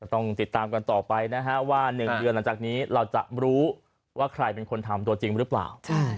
ต้องติดตามกันต่อไปนะฮะว่า๑เดือนหลังจากนี้เราจะรู้ว่าใครเป็นคนทำตัวจริงหรือเปล่า